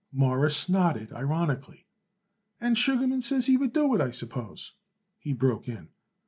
Morris nodded ironically. "And Sugarman says he would do it, I suppose," he broke in.